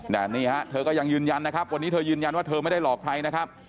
แต่นี่ฮะเธอก็ยังยืนยันนะครับวันนี้เธอยืนยันว่าเธอไม่ได้หลอกใครนะครับ